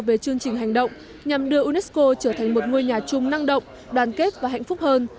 về chương trình hành động nhằm đưa unesco trở thành một ngôi nhà chung năng động đoàn kết và hạnh phúc hơn